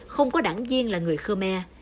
không có đảng viên là người khô me